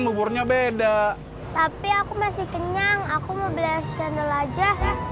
buburnya beda tapi aku masih kenyang aku mau beli cendol aja